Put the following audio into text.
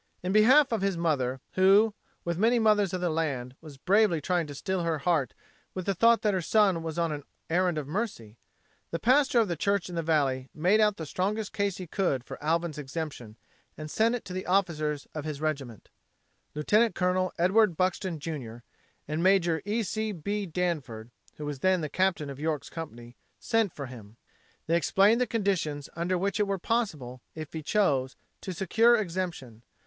In behalf of his mother, who, with many mothers of the land, was bravely trying to still her heart with the thought that her son was on an errand of mercy, the pastor of the church in the valley made out the strongest case he could for Alvin's exemption, and sent it to the officers of his regiment. Lieut. Col. Edward Buxton, Jr., and Maj. E. C. B. Danford, who was then the captain of York's company, sent for him. They explained the conditions under which it were possible, if he chose, to secure exemption.